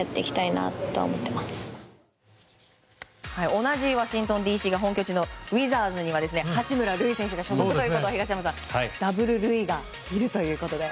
同じワシントンＤＣが本拠地のウィザーズには八村塁選手が所属ということはダブル・ルイがいるということで。